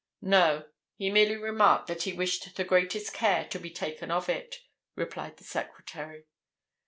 "No. He merely remarked that he wished the greatest care to be taken of it," replied the secretary.